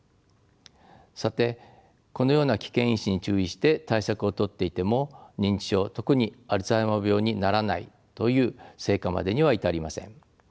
さてこのような危険因子に注意して対策をとっていても認知症特にアルツハイマー病にならないという成果までには至りません。